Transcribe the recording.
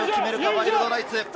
ワイルドナイツ。